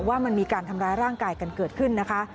ว่ามันมีการทำร้ายร่างกายกันเกิดขึ้นนะคะ